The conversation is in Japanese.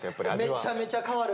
めちゃめちゃ変わる！